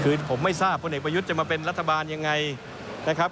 คือผมไม่ทราบพลเอกประยุทธ์จะมาเป็นรัฐบาลยังไงนะครับ